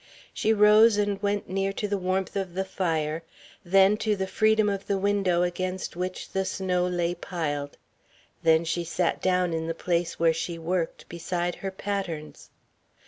She rose and went near to the warmth of the fire, then to the freedom of the window against which the snow lay piled, then she sat down in the place where she worked, beside her patterns.